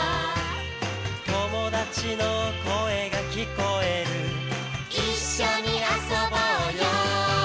「友達の声が聞こえる」「一緒に遊ぼうよ」